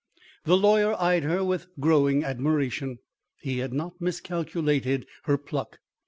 The lawyer eyed her with growing admiration. He had not miscalculated her pluck.